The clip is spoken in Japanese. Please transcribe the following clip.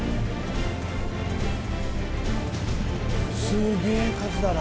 すげぇ数だな。